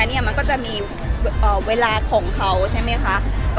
มันก็จะมีเวลาของเขาใช่ไหมคะ